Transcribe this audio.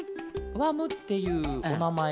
「わむ」っていうおなまえと